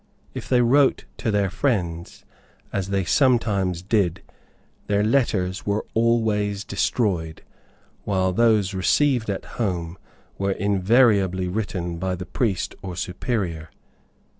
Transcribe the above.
If they wrote to their friends, as they sometimes did, their letters were always destroyed, while those received at home were invariably written by the priest or Superior.